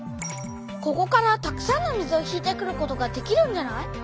ここからたくさんの水を引いてくることができるんじゃない？